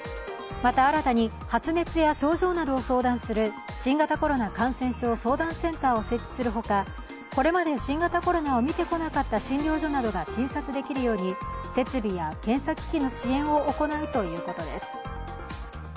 また、新たに発熱や症状などを相談する新型コロナ感染症相談センターを設置するほかこれまで新型コロナを診てこなかった診療所などが診察できるように、設備や検査機器の支援を行うということです。